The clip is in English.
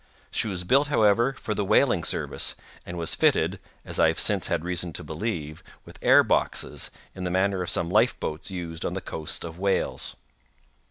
She was built, however, for the whaling service, and was fitted, as I have since had reason to believe, with air boxes, in the manner of some life boats used on the coast of Wales.